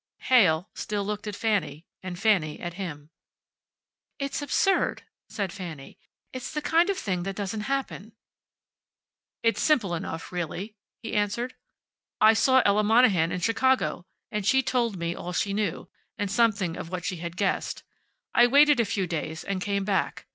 Heyl still looked at Fanny, and Fanny at him. "It's absurd," said Fanny. "It's the kind of thing that doesn't happen." "It's simple enough, really," he answered. "I saw Ella Monahan in Chicago, and she told me all she knew, and something of what she had guessed. I waited a few days and came back.